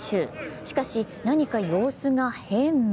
しかし何か様子が変？